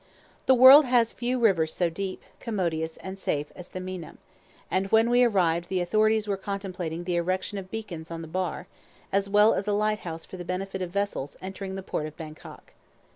The world has few rivers so deep, commodious, and safe as the Meinam; and when we arrived the authorities were contemplating the erection of beacons on the bar, as well as a lighthouse for the benefit of vessels entering the port of Bangkok.